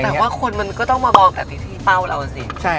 แต่ว่าคนมันก็ต้องมามองแบบที่เป้าเราอ่ะสิ